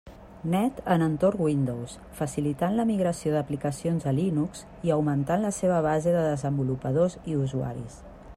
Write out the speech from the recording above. Net en entorn Windows, facilitant la migració d'aplicacions a Linux i augmentant la seva base de desenvolupadors i usuaris.